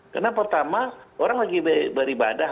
karena pertama orang lagi beribadah